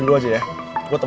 cara ini masih santai